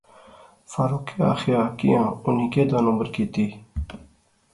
فاروقے آخیا کیاں اُنی کیہہ دو نمبر کیتی